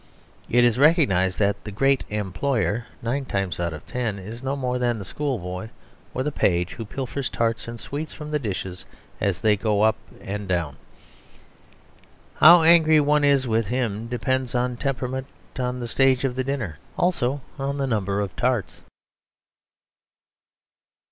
It is recognised that the "great employer," nine times out of ten, is no more than the schoolboy or the page who pilfers tarts and sweets from the dishes as they go up and down. How angry one is with him depends on temperament, on the stage of the dinner also on the number of tarts.